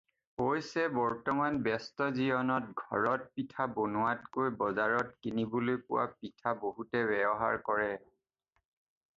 অৱশ্যে বৰ্তমান ব্যস্ত জীৱনত ঘৰত পিঠা বনোৱাতকৈ বজাৰত কিনিবলৈ পোৱা পিঠা বহুতে ব্যৱহাৰ কৰে।